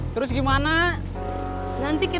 dari bud media para anggota hujan traveler